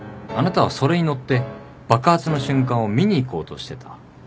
あなたはそれに乗って爆発の瞬間を見に行こうとしてた。